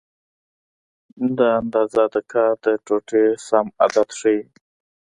دا اندازه د کار د ټوټې سم عدد ښیي.